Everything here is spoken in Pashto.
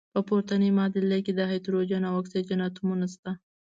په پورتني معادله کې د هایدروجن او اکسیجن اتومونه شته.